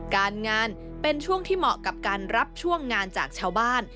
การงานเป็นช่วงที่เหมาะกับการรับช่วงงานจากชาวบ้าน